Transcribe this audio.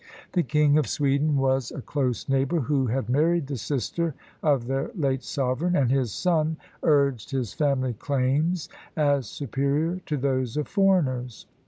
The King of Sweden was a close neighbour, who had married the sister of their late sovereign, and his son urged his family claims as superior to those of foreigners.